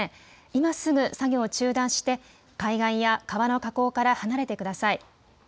今すぐ作業を中断して海岸や川の河口から離れてください。